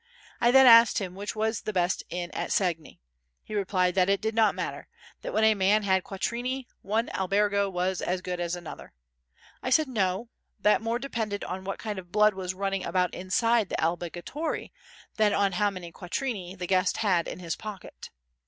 I then asked him which was the best inn at Segni. He replied that it did not matter, that when a man had quattrini one albergo was as good as another. I said, No; that more depended on what kind of blood was running about inside the albergatore than on how many quattrini the guest had in his pocket.